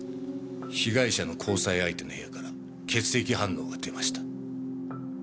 被害者の交際相手の部屋から血液反応が出ました。